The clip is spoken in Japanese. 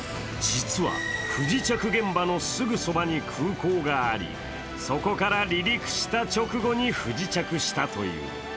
実は不時着現場のすぐそばに空港があり、そこから離陸した直後に不時着したという。